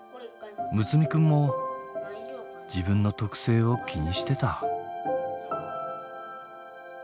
睦弥くんも自分の特性を気にしてた。